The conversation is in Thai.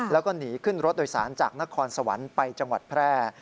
แล้วก็หนีขึ้นรถโดยสารจากนครสวรรค์ไปจังหวัดแพร่